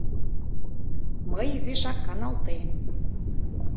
— Мый изишак каналтем...